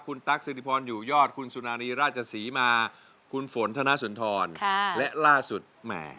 คุณตั๊กสิริพรอยู่ยอดคุณสุนารีราชศรีมาคุณฝนธนสุนทรและล่าสุดแหม